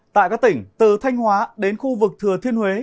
tại các tỉnh từ thanh hóa đến khu vực thừa thiên huế